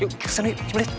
yuk kesana yuk coba liat